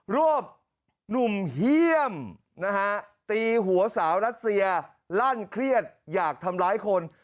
วบหนุ่มเยี่ยมนะฮะตีหัวสาวรัสเซียลั่นเครียดอยากทำร้ายคน